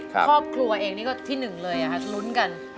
ครอบครัวเองก็ที่หนึ่งเลยค่ะรุ้นกัน